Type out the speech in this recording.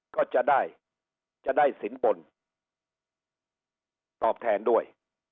ก็จะได้สินปนศ์ตอบแทนด้วย